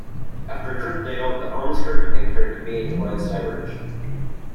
After Kirkdale, the Ormskirk and Kirkby lines diverge.